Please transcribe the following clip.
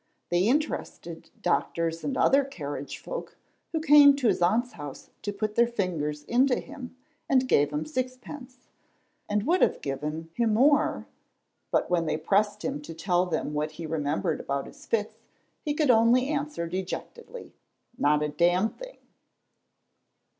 They interested doctors and other carriage folk, who came to his aunt's house to put their fingers into him, and gave him sixpence, and would have given him more, but when they pressed him to tell them what he remembered about his fits, he could only answer dejectedly, "Not a damned thing."